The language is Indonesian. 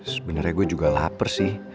sebenarnya gue juga lapar sih